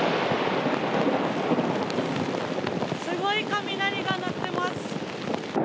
すごい雷が鳴ってます。